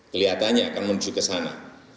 kelihatannya akan menuju ke sana